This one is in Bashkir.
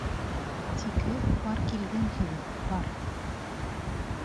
Тик һеҙ пар килгәнһегеҙ, пар!